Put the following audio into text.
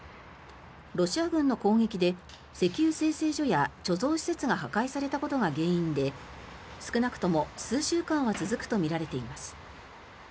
ロシア軍の攻撃で石油精製所や貯蔵施設が破壊されたことが原因で少なくとも数週間は続くとみられています。